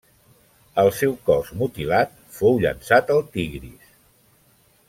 El seu cos mutilat fou llançat al Tigris.